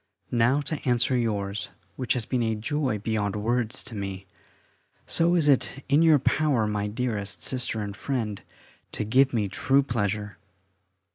Now to answer yours, which has been a joy beyond words to me: so is it in your power, my dearest Sister and friend, to give me true pleasure.